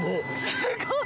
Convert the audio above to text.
すごい。